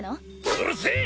うるせえ！